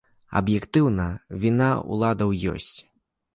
Аб'ектыўна, віна ўладаў ёсць.